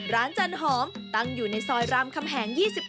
จันหอมตั้งอยู่ในซอยรามคำแหง๒๑